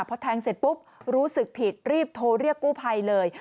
พอแทงเสร็จปุ๊บรู้สึกผิดรีบโทรเรียกกู้ภัยเลย